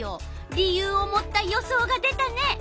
理由を持った予想が出たね。